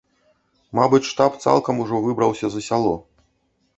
Мабыць, штаб цалкам ужо выбраўся за сяло.